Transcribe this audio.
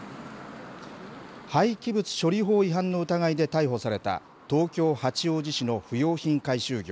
廃棄物処理法違反の疑いで逮捕された東京、八王子市の不用品回収業